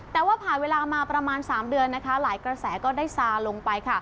แต่ว่าผ่านเวลามาประมาณ๓เดือนหลายกระแสก็ได้ซาลงไป